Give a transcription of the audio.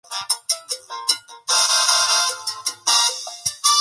Si bien la formulación del problema es sencilla, su resolución es más compleja.